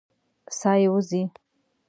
ساه یې وځي.